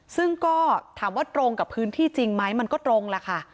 ซึ่งก็ถามว่าตรงกับพื้นที่จริงไหมมันก็ตรงล่ะค่ะ